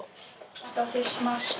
お待たせしました。